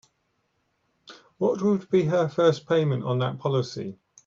What would be her first payment on that policy?